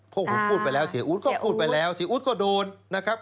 พวกผมพูดไปแล้วเสียอู๊ดก็พูดไปแล้วเสียอู๊ดก็โดนนะครับ